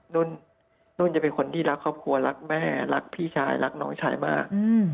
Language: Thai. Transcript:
นุ่นจะเป็นคนที่รักครอบครัวรักแม่รักพี่ชายรักน้องชายมาก